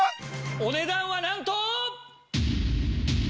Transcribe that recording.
お値段はなんと。